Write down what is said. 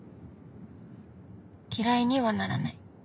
嫌いにはならない。